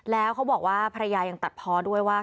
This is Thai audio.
แล้วเขาบอกว่าภรรยายังตัดพอด้วยว่า